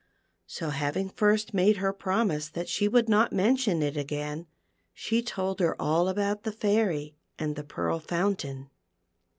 So having first made her promise that she would not mention it again, she told her all about the Fairy and the Pearl Foun tain.